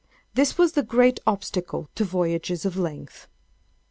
This was the great obstacle to voyages of length.